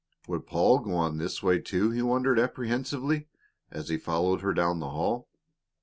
Would Paul go on this way, too, he wondered apprehensively as he followed her down the hall.